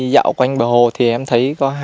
dạo quanh bờ hồ thì em thấy có